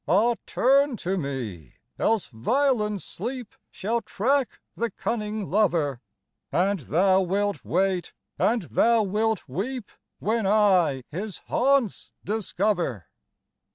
"Ah, turn to me! else violent sleep shall track the cunning lover; And thou wilt wait and thou wilt weep when I his haunts discover."